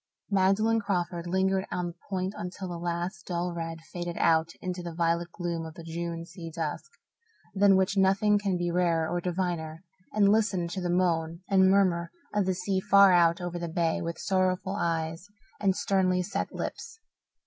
Magdalen Crawford lingered on the point until the last dull red faded out into the violet gloom of the June sea dusk, than which nothing can be rarer or diviner, and listened to the moan and murmur of the sea far out over the bay with sorrowful eyes and sternly set lips.